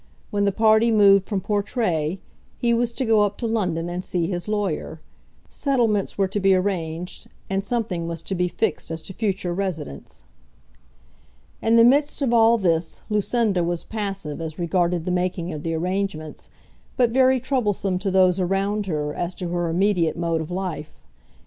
When the party moved from Portray, he was to go up to London and see his lawyer. Settlements were to be arranged, and something was to be fixed as to future residence. In the midst of all this Lucinda was passive as regarded the making of the arrangements, but very troublesome to those around her as to her immediate mode of life.